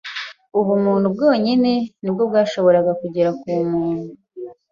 Ubumuntu bwonyine ni bwo bwashoboraga kugera ku bumuntu.